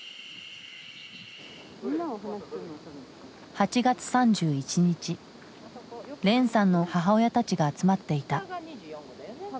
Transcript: ８月３１日連さんの母親たちが集まっていた。